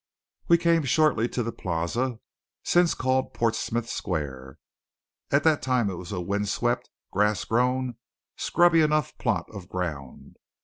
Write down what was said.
We came shortly to the Plaza, since called Portsmouth Square. At that time it was a wind swept, grass grown, scrubby enough plot of ground.